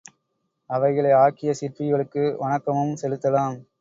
அவைகளை ஆக்கிய சிற்பிகளுக்கு வணக்கமும் செலுத்தலாம்.